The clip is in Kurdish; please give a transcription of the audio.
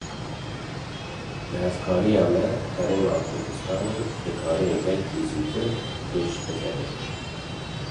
Bi hevkariya me Herêma Kurdistanê dikare gelekî zûtir pêş bikeve.